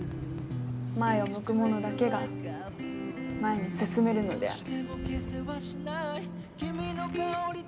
前を向く者だけが前に進めるのである。